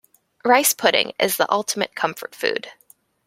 Rice pudding is the ultimate comfort food.